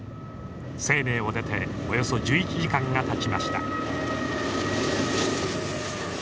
西寧を出ておよそ１１時間がたちました。